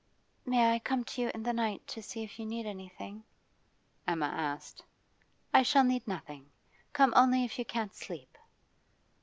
'May I come to you in the night to see if you need anything?' Emma asked. 'I shall need nothing. Come only if you can't sleep.